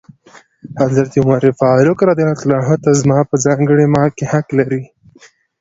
حضرت عمر فاروق وویل: ته زما په ځانګړي مال کې حق لرې.